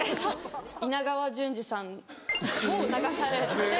稲川淳二さんを流されて。